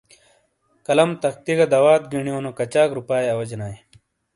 قلم، تختی گہ دوات گینیو کچاک رُُوپاۓ اواجیناۓ؟